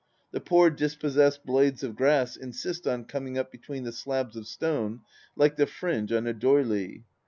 The poor dis possessed blades of grass insist on coming up between the slabs of stone, like the fringe on a d'oyley.